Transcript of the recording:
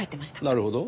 なるほど。